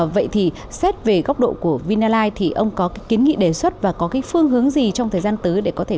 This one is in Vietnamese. vậy thì xét về góc độ của vinalize thì ông có kiến nghị đề xuất và có cái phương hướng gì trong thời gian tới để có thể